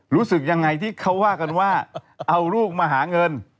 รู้สึกยังไงที่เขาว่ากันว่าเอาลูกมาหาเงิน